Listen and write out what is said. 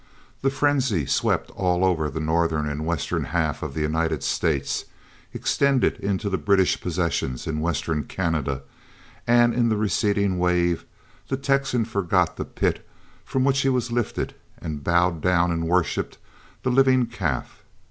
The frenzy swept all over the northern and western half of the United States, extended into the British possessions in western Canada, and in the receding wave the Texan forgot the pit from which he was lifted and bowed down and worshiped the living calf.